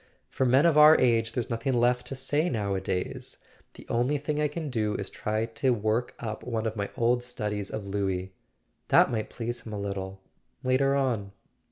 "For men of our age there's nothing left to say nowadays. The only thing I can do is to try to work up one of my old studies of Louis. That might please him a little— later on."